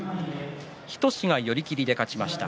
日翔志が寄り切りで勝ちました。